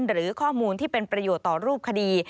หรือข้อมูลที่เป็นประโยชน์ต่อรูปคดี